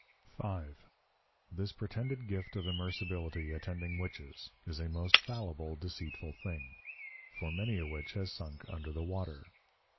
5. This pretended Gift of Immersibility attending Witches, is a most fallible deceitful thing; for many a Witch has sunk under the Water.